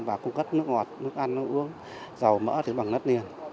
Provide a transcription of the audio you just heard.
và cung cấp nước ngọt nước ăn uống dầu mỡ thì bằng đất liền